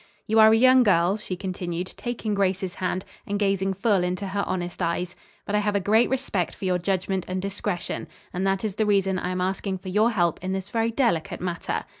You are a young girl," she continued, taking Grace's hand and gazing full into her honest eyes, "but I have a great respect for your judgment and discretion, and that is the reason I am asking for your help in this very delicate matter.